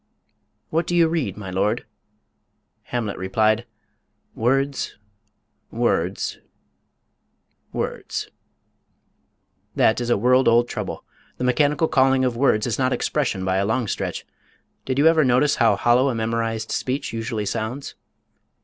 "What do you read, my lord?" Hamlet replied, "Words. Words. Words." That is a world old trouble. The mechanical calling of words is not expression, by a long stretch. Did you ever notice how hollow a memorized speech usually sounds?